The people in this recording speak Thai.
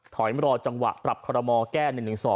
รอจังหวะปรับคอรมอแก้๑๑๒